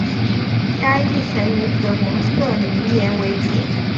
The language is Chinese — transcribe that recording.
该地层以紫红色泥岩为主。